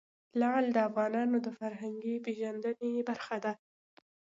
لعل د افغانانو د فرهنګي پیژندنې برخه ده.